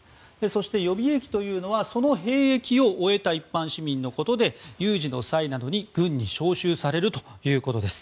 そして予備役というのはその兵役を終えた一般市民で有事の際などに軍に招集されるということです。